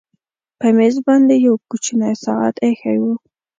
په مېز باندې یو کوچنی ساعت ایښی و